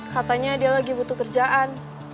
katanya dia lagi butuh kerjaan